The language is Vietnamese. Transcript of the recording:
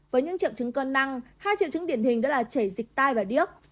với những triệu chứng cơn năng hai triệu chứng điển hình đó là chảy dịch tai và điếc